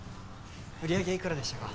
売り上げいくらでしたか？